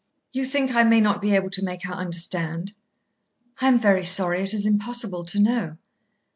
"You think I may not be able to make her understand?" "I am very sorry. It is impossible to know."